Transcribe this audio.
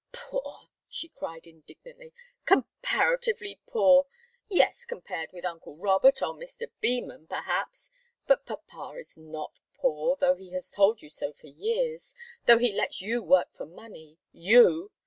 "Poor!" she cried, indignantly. "Comparatively poor! Yes compared with uncle Robert or Mr. Beman, perhaps. But papa is not poor, though he has told you so for years, though he lets you work for money you!